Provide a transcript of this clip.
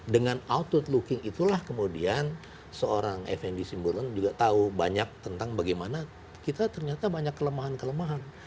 dengan outward looking itulah kemudian seorang fnd simbolon juga tahu banyak tentang bagaimana kita ternyata banyak kelemahan kelemahan